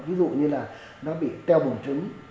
ví dụ như là nó bị teo bổn trứng